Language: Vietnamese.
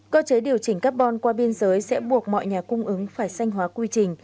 cơ chế điều chỉnh carbon qua biên giới sẽ buộc mọi nhà cung ứng phải sanh hóa quy trình